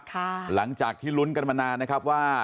หลังจากที่ลุ้นกันมานานนะครับว่า